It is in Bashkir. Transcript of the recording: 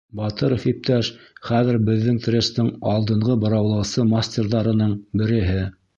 — Батыров иптәш хәҙер беҙҙең трестың алдынғы быраулаусы мастерҙарының береһе.